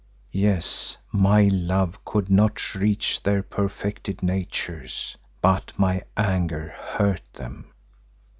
Yes, my love could not reach their perfected natures, but my anger hurt them.